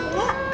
masih takut gak